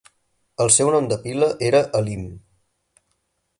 El seu nom de pila era Elim.